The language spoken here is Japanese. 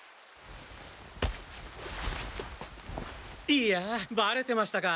いやバレてましたか。